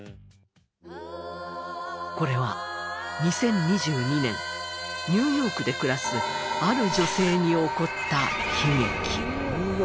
これは２０２２年ニューヨークで暮らすある女性に起こった悲劇。